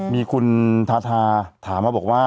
มีคุณทาทาถามมาบอกว่า